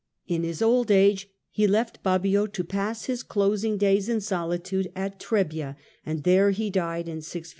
In his old age he left Bobbio to pass his closing days in solitude at Trebbia, and there he died in 615.